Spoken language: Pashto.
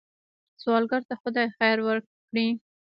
سوالګر ته خدای خیر ورکړي